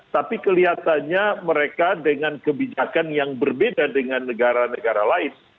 tapi kelihatannya mereka dengan kebijakan yang berbeda dengan negara negara lain